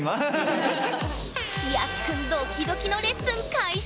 ＹＡＳＵくんドキドキのレッスン開始！